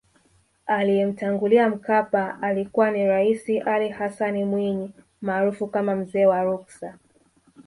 Aliyemtangulia Mkapa alikuwa ni Raisi Ali Hassan Mwinyi maarufu kama mzee wa ruksa